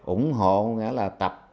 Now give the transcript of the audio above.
ủng hộ tập